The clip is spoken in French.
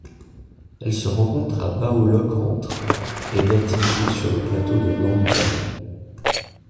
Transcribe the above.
Elle se rencontre à Bảo Lộc entre et d'altitude sur le plateau Langbian.